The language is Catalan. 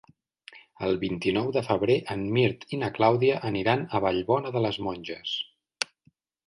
El vint-i-nou de febrer en Mirt i na Clàudia aniran a Vallbona de les Monges.